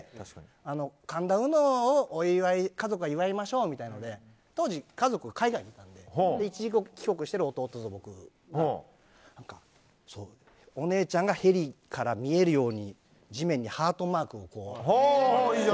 神田うのを家族が祝いましょうというので当時、家族は海外なので一時帰国している弟は僕でお姉ちゃんヘリから見えるように地面にハートマークを。